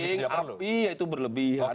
yang penting api ya itu berlebihan